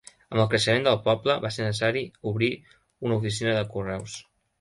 Amb el creixement del poble, va ser necessari obrir una oficina de correus.